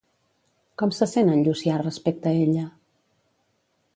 Com se sent en Llucià respecte ella?